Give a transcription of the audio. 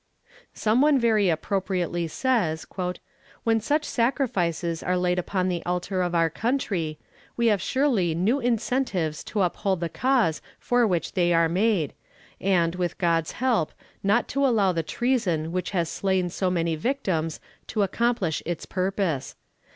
Some one very appropriately says: "When such sacrifices are laid upon the altar of our country, we have surely new incentives to uphold the cause for which they are made, and, with God's help, not to allow the treason which has slain so many victims, to accomplish its purpose.